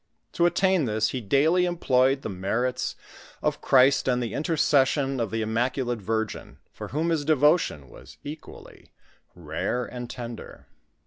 To attain this he daily employed the merits of Christ and the intercession of the Immaculate Virgin, for whom his devotion was equally rare and tender.